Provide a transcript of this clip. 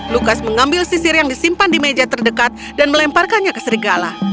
lukas mengambil sisir yang disimpan di meja terdekat dan melemparkannya ke serigala